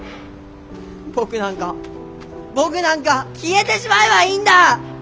僕なんか僕なんか消えてしまえばいいんだ！